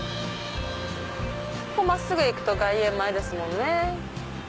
ここ真っすぐ行くと外苑前ですもんね。